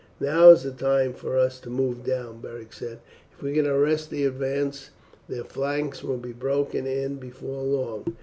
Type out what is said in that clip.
"Now it is time for us to move down," Beric said; "if we can arrest the advance their flanks will be broken in before long.